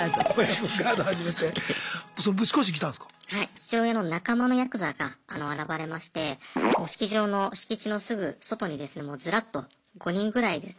父親の仲間のヤクザが現れまして式場の敷地のすぐ外にですねもうズラッと５人ぐらいですね